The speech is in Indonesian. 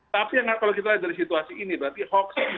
tapi kalau kita dari situasi ini berarti hoax itu